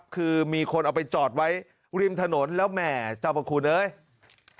คือมีคนเอาไปจอดไว้ริมถนนแล้วแหม่เจ้าพระคุณเอ้ย